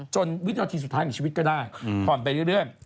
วินาทีสุดท้ายของชีวิตก็ได้ผ่อนไปเรื่อย